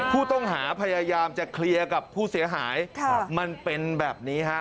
ผู้ต้องหาพยายามจะเคลียร์กับผู้เสียหายมันเป็นแบบนี้ฮะ